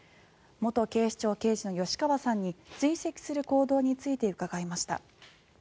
元警視庁刑事の吉川さんに追跡する行動について伺いました。